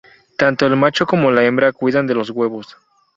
Tanto el macho como la hembra cuidan de los huevos.